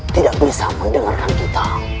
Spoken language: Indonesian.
tidak bisa mendengarkan kita